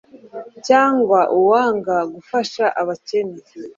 cyangwa uwanga gufasha abakene